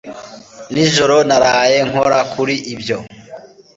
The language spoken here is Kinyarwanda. Nijoro naraye nkora kuri ibyo